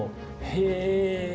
へえ。